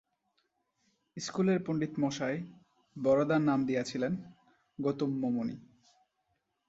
ইস্কুলের পণ্ডিতমশায় বরদার নাম দিয়াছিলেন, গোতমমুনি।